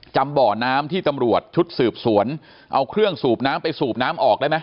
จำบ่อน้ำที่ตำรวจชุดสืบสวนเอาเครื่องสูบน้ำไปสูบน้ำออกได้ไหม